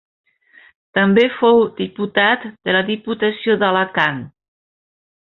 També fou diputat de la Diputació d'Alacant.